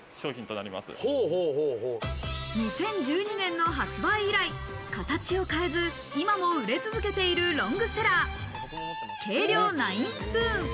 ２０１２年の発売以来、形を変えず、今も売れ続けているロングセラー、計量９スプーン。